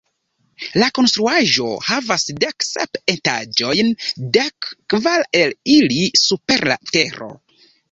La konstruaĵo havas dek sep etaĝojn, dek kvar el ili super la tero.